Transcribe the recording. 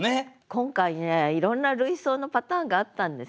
今回ねいろんな類想のパターンがあったんですよ。